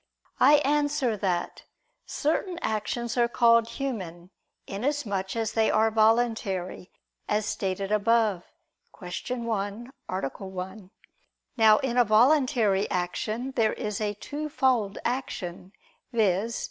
I answer that, Certain actions are called human, inasmuch as they are voluntary, as stated above (Q. 1, A. 1). Now, in a voluntary action, there is a twofold action, viz.